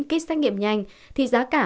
kit xét nghiệm nhanh thì giá cả